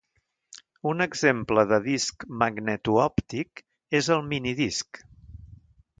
Un exemple de disc magnetoòptic és el minidisc.